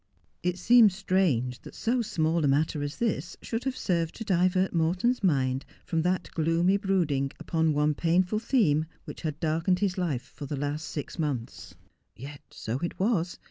It seemed strange that so small a matter as this should have served to divert Morton's mind from that gloomy brooding upon one painful theme which had darkened his life for the last six months. Yet so it was.